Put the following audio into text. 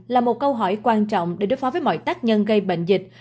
là một câu hỏi quan trọng để đối phó với mọi tác nhân gây bệnh dịch